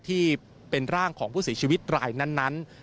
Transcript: ที่เป็นร่างของผู้เสียชีวิตรายนั้น